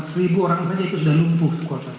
seribu orang saja itu sudah lumpuh